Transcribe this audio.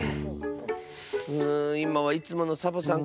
うんいまはいつものサボさんか。